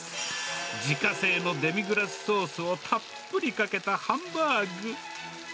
自家製のデミグラスソースをたっぷりかけたハンバーグ。